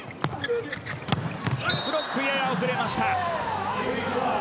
ブロック、やや遅れました。